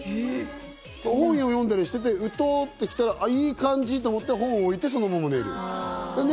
本を読んだりして、うとっとしたら、いい感じと思って本を置いて、そのまま寝る。